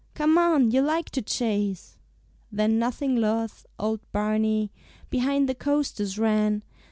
Come on! You like to chase." Then nothing loth, old Barney Behind the coasters ran.